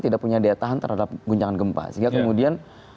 tidak punya daya tahan terhadap guncangan gempa sehingga kemudian